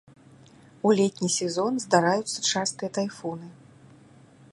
У летні сезон здараюцца частыя тайфуны.